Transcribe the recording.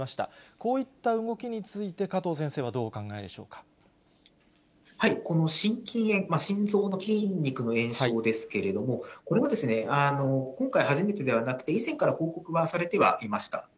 こういった動きについて、この心筋炎、心臓の筋肉の炎症ですけれども、これは今回初めてではなくて、以前から報告はされてはいました。